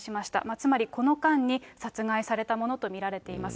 つまり、この間に殺害されたものと見られています。